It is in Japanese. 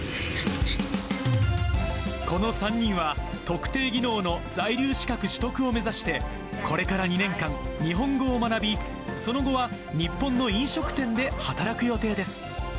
この３人は、特定技能の在留資格取得を目指して、これから２年間、日本語を学び、その後は日本の飲食店で働く予定です。